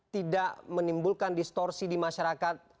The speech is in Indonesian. tidak menimbulkan distorsi di masyarakat